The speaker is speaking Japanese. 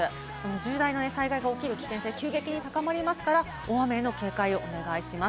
重大な災害が起きる危険性が急激に高まりますから大雨への警戒をお願いします。